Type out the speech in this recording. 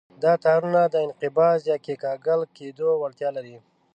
دا تارونه د انقباض یا کیکاږل کېدو وړتیا لري.